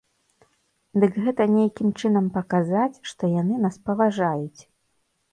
Дык гэта нейкім чынам паказаць, што яны нас паважаюць.